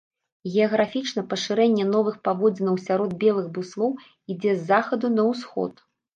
Геаграфічна пашырэнне новых паводзінаў сярод белых буслоў ідзе з захаду на ўсход.